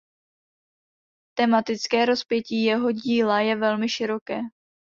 Tematické rozpětí jeho díla je velmi široké.